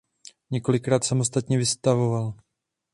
Několikrát samostatně vystavoval.